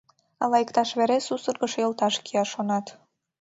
Ала иктаж вере сусыргышо йолташ кия, шонат.